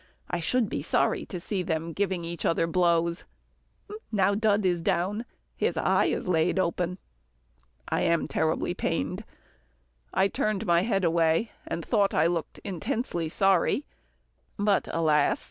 I should be sorry to see them giving each other blows now Dud is down his eye is laid open. I am terribly pained." I turned my head away, and thought I looked intensely sorry, but alas!